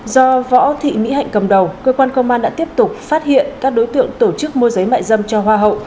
do võ thị mỹ hạnh cầm đầu cơ quan công an đã tiếp tục phát hiện các đối tượng tổ chức môi giấy mại dâm cho hoa hậu